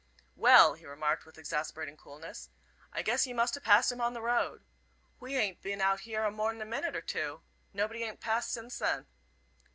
"Well," he remarked, with exasperating coolness, "I guess you must 'a' passed him on the road. We hain't been out here more'n a minute or two. Nobody hain't passed since then."